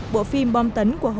bộ phim bom tấn của họ